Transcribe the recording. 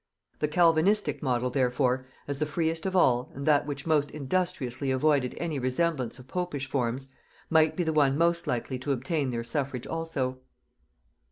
The Calvinistic model therefore, as the freest of all, and that which most industriously avoided any resemblance of popish forms, might be the one most likely to obtain their suffrage also.